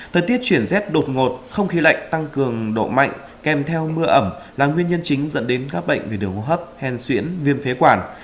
thời tiết chuyển z đột ngột không khí lạnh tăng cường độ mạnh kèm theo mưa ẩm là nguyên nhân chính dẫn đến các bệnh về điều hấp hèn xuyễn viêm phế quản